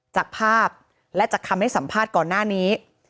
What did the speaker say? จากภาพและสัมภาษณ์ก่อนหน้านี้